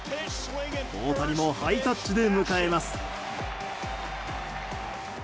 大谷もハイタッチで迎えます。